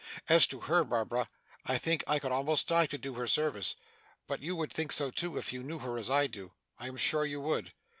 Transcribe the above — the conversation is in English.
As to her, Barbara, I think I could almost die to do her service, but you would think so too, if you knew her as I do. I am sure you would.